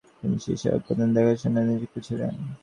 তিনি সীসা উৎপাদনের দেখাশোনায় নিযুক্ত ছিলেন।